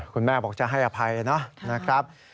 คุณแม่บอกจะให้อภัยนะครับ